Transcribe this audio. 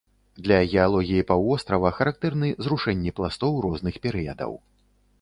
Для геалогіі паўвострава характэрны зрушэнні пластоў розных перыядаў.